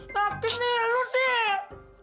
sakit nih lu sih